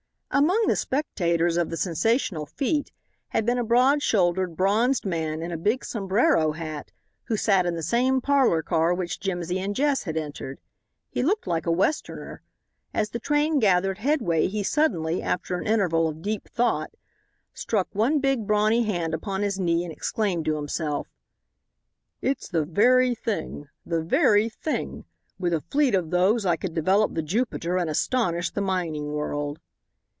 Among the spectators of the sensational feat had been a broad shouldered, bronzed man in a big sombrero hat, who sat in the same parlor car which Jimsy and Jess had entered. He looked like a Westerner. As the train gathered headway he suddenly, after an interval of deep thought, struck one big brawny hand upon his knee and exclaimed to himself: "It's the very thing the very thing. With a fleet of those I could develop the Jupiter and astonish the mining world."